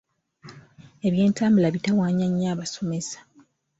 Ebyentambula bitawaanya nnyo amasomesa.